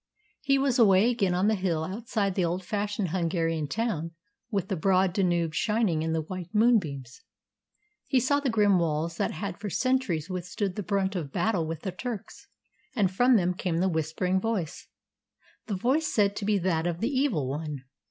He was away again on the hill outside the old fashioned Hungarian town, with the broad Danube shining in the white moonbeams. He saw the grim walls that had for centuries withstood the brunt of battle with the Turks, and from them came the whispering voice the voice said to be that of the Evil One.